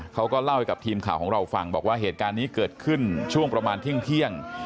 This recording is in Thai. เขาก็เล่าให้กับทีมข่าวของเราฟังบอกว่าเหตุการณ์นี้เกิดขึ้นช่วงประมาณเที่ยง